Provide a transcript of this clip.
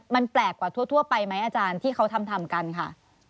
มันแปลกกว่าทั่วไปไหมอาจารย์ที่เขาทำกันค่ะ